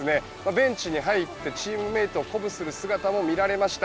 ベンチに入ってチームメートを鼓舞する姿も見られました。